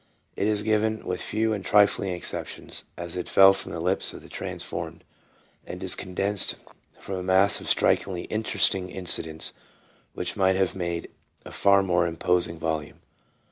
It is given, with few and trifling exceptions, as it fell from the lips of the " Trans formed," and is condensed from a mass of strikingly interesting incidents which might have made a far more imposing volume.